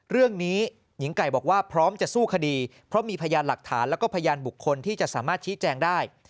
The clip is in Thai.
เรื่องนี้หญิงไก่บอกว่าพร้อมจะสู้คดีเพราะมีพยานหลักฐานแล้วก็พยานบุคคลที่จะสามารถชี้แจงได้